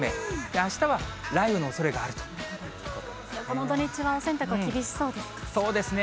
あしたは雷雨のおそれがあるといこの土日は、お洗濯厳しそうそうですね。